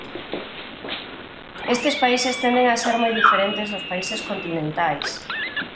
Estes países tenden a ser moi diferentes dos países continentais.